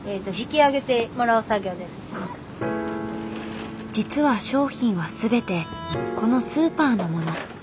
ここから実は商品は全てこのスーパーのもの。